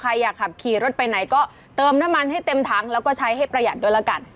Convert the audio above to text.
อยากขับขี่รถไปไหนก็เติมน้ำมันให้เต็มถังแล้วก็ใช้ให้ประหยัดด้วยละกัน